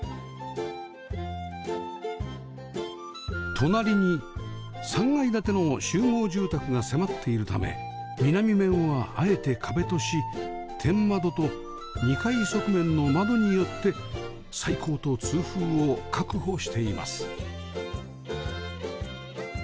隣に３階建ての集合住宅が迫っているため南面はあえて壁とし天窓と２階側面の窓によって採光と通風を確保しています